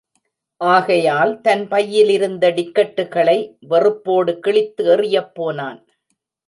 ஆகையால், தன் பையிலிருந்த டிக்கட்டுகளை வெறுப்போடு கிழித்து எறியப் போனான்.